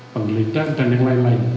penggeledahan dan yang lain lain